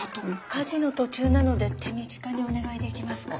家事の途中なので手短にお願いできますか？